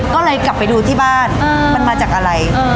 ก็เลยกลับไปดูที่บ้านมันมาจากอะไร